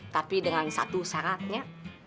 tapi dengan satu syaratnya